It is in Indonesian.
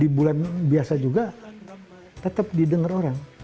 di bulan biasa juga tetap didengar orang